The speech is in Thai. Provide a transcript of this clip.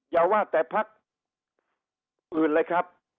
อย่าว่าแต่พักอื่นเลยครับ